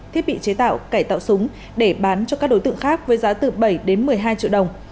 thiết bị chế tạo cải tạo súng để bán cho các đối tượng khác với giá từ bảy đến một mươi hai triệu đồng